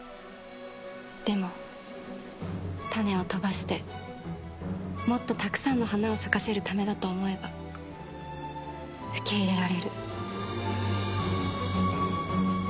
でも種を飛ばしてもっとたくさんの花を咲かせるためだと思えば受け入れられる。